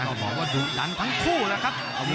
ก็บอกว่าดุดันทั้งคู่แล้วครับ